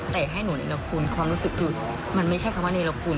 แต่ให้หนูนิรกูลความรู้สึกคือมันไม่ใช่คำว่านิรกูล